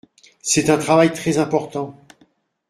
C’est un travail très important.